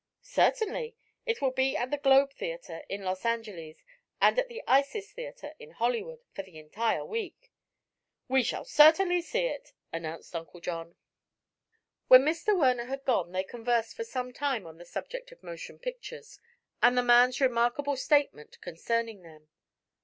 "Certainly. It will be at the Globe Theatre in Los Angeles and at the Isis Theatre in Hollywood, for the entire week." "We shall certainly see it," announced Uncle John. When Mr. Werner had gone they conversed for some time on the subject of motion pictures, and the man's remarkable statement concerning them.